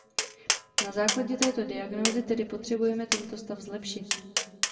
Na základě této diagnózy tedy potřebujeme tento stav zlepšit.